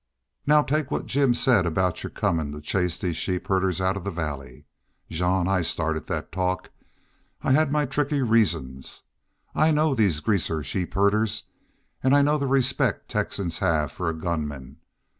"Now next take what Jim said aboot your comin' to chase these sheep herders out of the valley.... Jean, I started that talk. I had my tricky reasons. I know these greaser sheep herders an' I know the respect Texans have for a gunman.